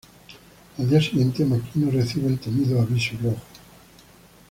Al día siguiente, Makino recibe el temido aviso rojo.